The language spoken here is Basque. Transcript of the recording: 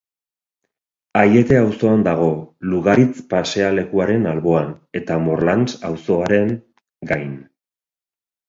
Aiete auzoan dago, Lugaritz pasealekuaren alboan, eta Morlans auzoaren gain.